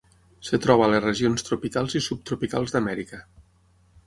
Es troba a les regions tropicals i subtropicals d'Amèrica.